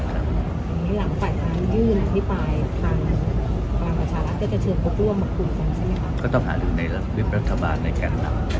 หลังฝ่ายนามยื่นอภิปรายทางฐาคาตั่งกระชาท